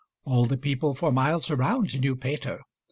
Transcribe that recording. All the people for miles around knew Peter.